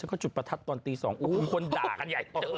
ฉันก็จุดประทัดตอนตี๒โอ้โฮคนด่ากันใหญ่เจ้า